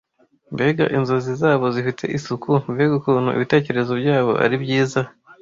mbega inzozi zabo zifite isuku mbega ukuntu ibitekerezo byabo ari byiza